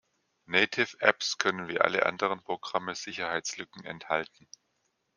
Native Apps können wie alle anderen Programme Sicherheitslücken enthalten.